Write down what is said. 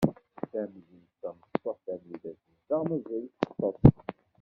Tamdint tamecṭuḥt anida tezdeɣ mazal teṭṭes.